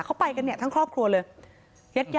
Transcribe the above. เขาไปทั้งครอบครัวเลย